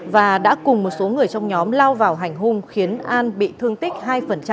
và đã cùng một số người trong nhóm lao vào hành hung khiến an bị thương tích hai